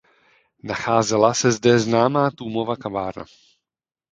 Nacházela se zde známá Tůmova kavárna.